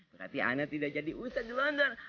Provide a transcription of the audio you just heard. berarti anda tidak jadi ustadz di london